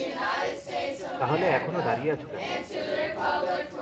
তাহলে এখনো দাঁড়িয়ে আছ কেন?